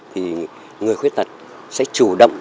thì người khuyết tật sẽ chủ động